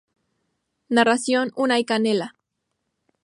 Narración: Unai Canela.